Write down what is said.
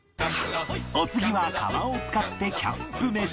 お次は窯を使ってキャンプ飯